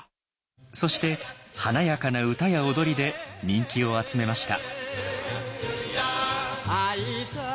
そして華やかな歌や踊りで人気を集めました。